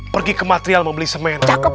pergi ke material membeli semen